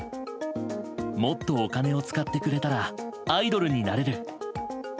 もっとお金を使ってくれたらアイドルになれる。